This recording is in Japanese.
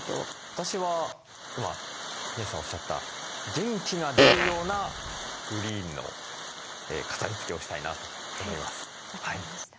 私は今国吉さんおっしゃった元気が出るようなグリーンの飾りつけをしたいなと思います。